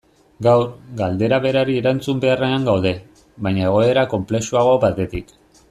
Gaur, galdera berari erantzun beharrean gaude, baina egoera konplexuago batetik.